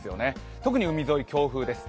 特に海沿い、強風です。